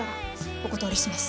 お断りします！